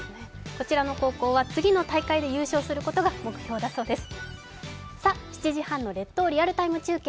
こちらの高校は次の大会で優勝することが目標だそうです。